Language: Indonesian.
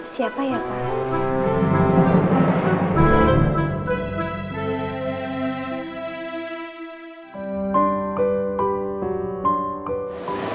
siapa ya pak